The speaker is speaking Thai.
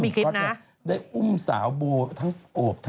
พูดมาก